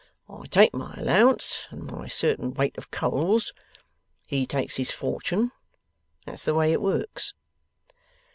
I take my allowance and my certain weight of coals. He takes his fortune. That's the way it works.